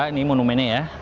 ini monumennya ya